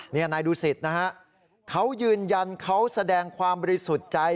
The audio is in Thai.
นี่นายดูสิตนะฮะเขายืนยันเขาแสดงความบริสุทธิ์ใจ